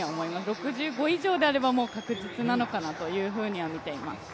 ６５以上であれば確実なのかなというふうにはみています。